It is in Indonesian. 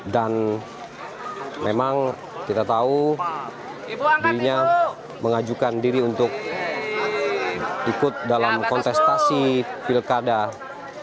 dan memang kita tahu dirinya mengajukan diri untuk ikut dalam kontestasi pilkada menjadi gubernur jawa barat